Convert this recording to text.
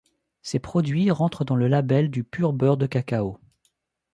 Ses produits rentrent dans le label du Pur Beurre de Cacao.